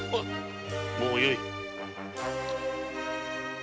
もうよい。